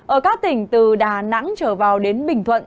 ở các tỉnh từ đà nẵng trở vào đến bình thuận